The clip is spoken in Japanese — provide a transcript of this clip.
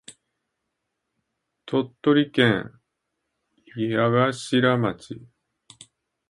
鳥取県八頭町